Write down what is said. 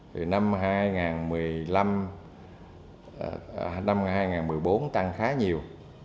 thì năm hai nghìn một mươi năm năm hai nghìn một mươi bốn tăng khá nhiều